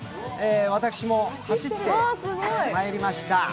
私も走ってまいりました。